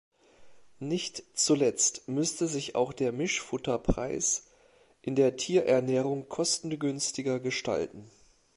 Nicht zuletzt müsste sich auch der Mischfutterpreis in der Tierernährung kostengünstiger gestalten.